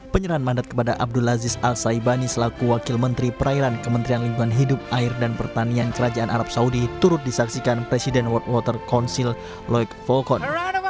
penyerahan mandat kepada abdul aziz al saibani selaku wakil menteri perairan kementerian lingkungan hidup air dan pertanian kerajaan arab saudi turut disaksikan presiden world water council lock volcon